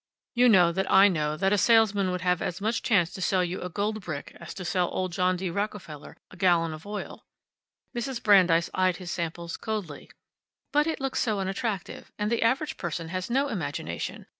You know that I know that a salesman would have as much chance to sell you a gold brick as to sell old John D. Rockefeller a gallon of oil." Mrs. Brandeis eyed his samples coldly. "But it looks so unattractive. And the average person has no imagination.